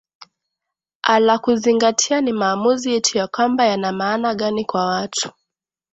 a la kuzingatia ni maamuzi yetu ya kwamba yana maana gani kwa watu